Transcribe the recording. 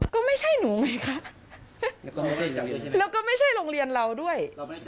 ก็ไม่ใช่หนูไงคะแล้วก็ไม่ใช่โรงเรียนเราด้วย